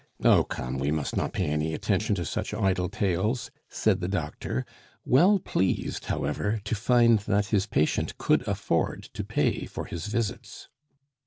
"Oh, come! we must not pay any attention to such idle tales," said the doctor, well pleased, however, to find that his patient could afford to pay for his visits.